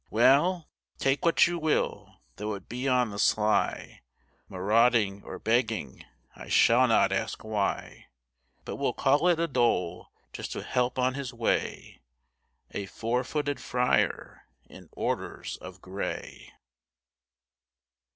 Well, take what you will, though it be on the sly, Marauding or begging, I shall not ask why, But will call it a dole, just to help on his way A four footed friar in orders of gray!